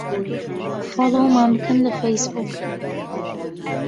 فۆلۆومان بکەن لە فەیسبووک.